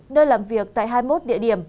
nơi làm việc tại hai mươi một địa điểm